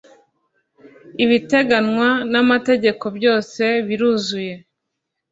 ibiteganywa n ‘amategeko byose biruzuye.